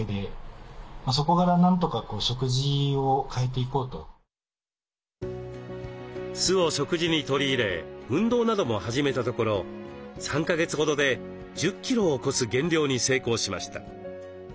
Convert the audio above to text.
一念発起してなんとか酢を食事に取り入れ運動なども始めたところ３か月ほどで１０キロを超す減量に成功しました。